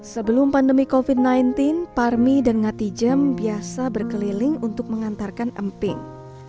sebelum pandemi covid sembilan belas parmi dan ngati jem biasa berkeliling untuk mengantarkan emping